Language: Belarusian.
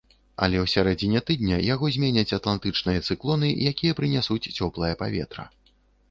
Але ў сярэдзіне тыдня яго зменяць атлантычныя цыклоны, якія прынясуць цёплае паветра.